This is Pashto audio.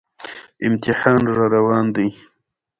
اتل خط ليکي. اتل به خط وليکي.